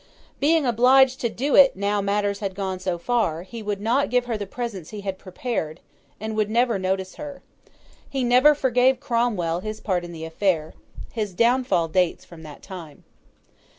Being obliged to do it now matters had gone so far, he would not give her the presents he had prepared, and would never notice her. He never forgave Cromwell his part in the affair. His downfall dates from that time.